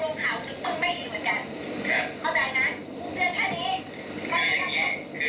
คุณเข้าใจแต่ว่าถ้าคุณไม่เจอหน้าข่าว